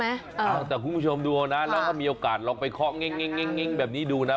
เอ้าแต่คุณผู้ชมดูนะแล้วถ้ามีโอกาสลองไปเคราะห์เงินแบบนี้ดูนะ